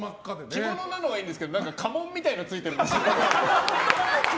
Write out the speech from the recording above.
着物なのはいいんですけど家紋みたいなのがついてるんですけど。